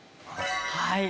はい。